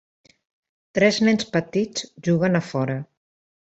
Tres nens petits juguen a fora.